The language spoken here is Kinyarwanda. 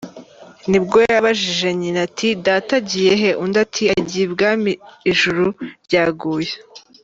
Nibwo yabajije nyina ati :”data agiye he ?”Undi ati :”agiye ibwami ijuru ryaguye”.